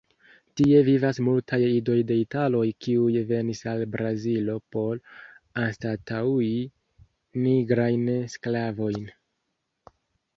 Tie vivas multaj idoj de italoj, kiuj venis al Brazilo por anstataŭi nigrajn sklavojn.